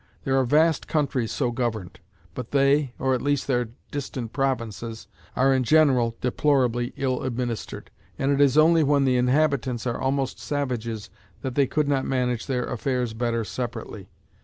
There are vast countries so governed; but they, or at least their distant provinces, are in general deplorably ill administered, and it is only when the inhabitants are almost savages that they could not manage their affairs better separately.